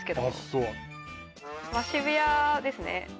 そう渋谷ですね